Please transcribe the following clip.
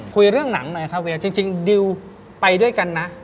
คุยเรื่องหนังหน่อยครับเวียจริงดิวไปด้วยกันนะ